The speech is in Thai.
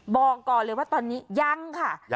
บอกก่อนเลยว่าตอนนี้ยังค่ะ